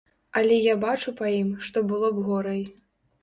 Але я бачу па ім, што было б горай.